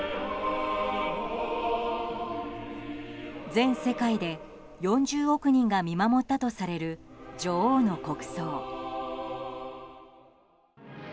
全世界で４０億人が見守ったとされる女王の国葬。